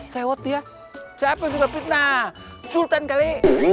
sewot dia siapa yang suka fitnah sultan kali